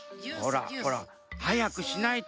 ほらほらはやくしないと。